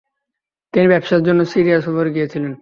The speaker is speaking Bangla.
তিনি ব্যবসার জন্য সিরিয়া সফরে গিয়েছিলেন।